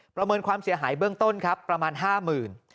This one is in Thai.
ประเมินความเสียหายเบื้องต้นครับประมาณห้าหมื่น